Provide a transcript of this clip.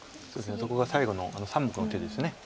そこが最後の３目の手です。